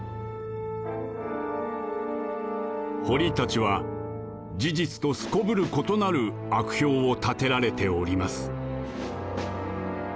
「堀たちは事実とすこぶる異なる悪評を立てられております」。